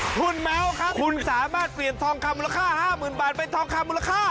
คุณแมวครับคุณสามารถเปลี่ยนทองคำมูลค่า๕๐๐๐บาทเป็นทองคำมูลค่า